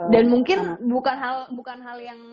dan mungkin bukan hal yang